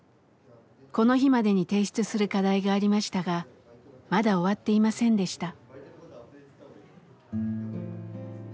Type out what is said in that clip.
この日までに提出する課題がありましたがまだ終わっていませんでした。